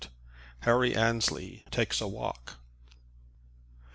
HARRY ANNESLEY TAKES A WALK.